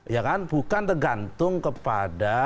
ya kan bukan tergantung kepada